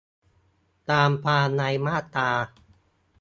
ตามความในมาตรา